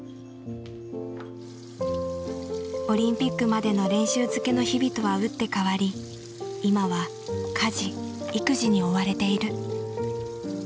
オリンピックまでの練習づけの日々とは打って変わり今は家事・育児に追われている。